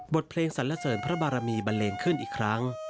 เพลงสรรเสริญพระบารมีบันเลงขึ้นอีกครั้ง